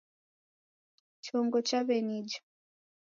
Chongo chawenija